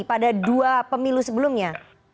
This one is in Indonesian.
pada dua pemilu sebelumnya